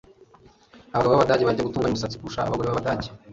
abagabo b'abadage bajya gutunganya umusatsi kurusha abagore b'abadage